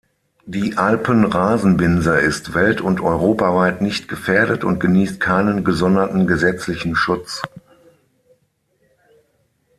Die Alpen-Rasenbinse ist welt- und europaweit nicht gefährdet und genießt keinen gesonderten gesetzlichen Schutz.